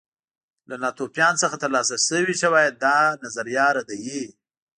له ناتوفیان څخه ترلاسه شوي شواهد دا نظریه ردوي